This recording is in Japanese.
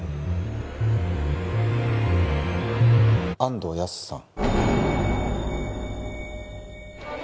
安藤靖さん